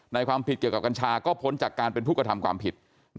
ในความผิดเกี่ยวกับกัญชาก็ผลจากการเป็นภูกษฐรรมความผิด